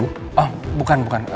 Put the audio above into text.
oh bukan bukan